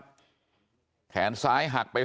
บอกแล้วบอกแล้วบอกแล้ว